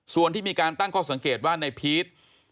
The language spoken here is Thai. ส่วนที่มีการตั้งข้อสังเกตว่าในพีช